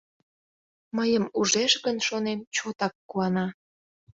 Мыйым ужеш гын, шонем, чотак куана.